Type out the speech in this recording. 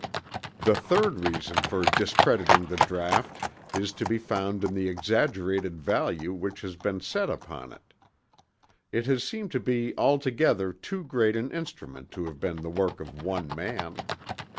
The third reason for discrediting the draught is to be found in the exaggerated value which has been set upon it. It has seemed to be altogether too great an instrument to have been the work of one man.